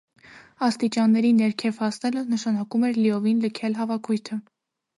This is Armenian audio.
Աստիճանների ներքև հասնելը նշանակում էր լիովին լքել հավաքույթը։